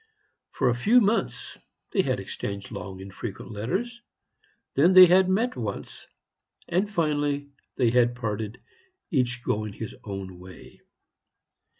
For a few months they had exchanged long and frequent letters; then they had met once, and finally they had parted, each going his way.